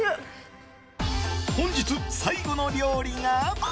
本日最後の料理が。